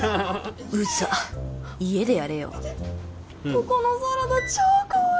ここのサラダ超かわいい！